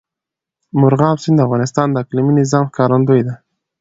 مورغاب سیند د افغانستان د اقلیمي نظام ښکارندوی ده.